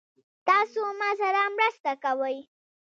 تاسو ما سره مرسته کوئ؟